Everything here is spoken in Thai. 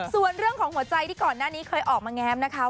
ส่วนเรื่องของหัวใจที่ก่อนหน้านี้เคยออกมาแง้มนะคะ